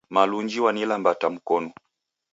Malunji w'anilambata mkonu.